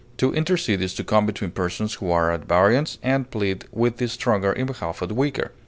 To intercede is to come between persons who are at variance, and plead with the stronger in behalf of the weaker.